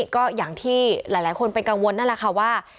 ก็อย่างที่หลายคนเป็นกังวลนั่นแหละค่ะว่า